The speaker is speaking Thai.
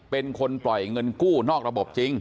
เป็นคนปล่อยเงินกู้นอกระบบจริง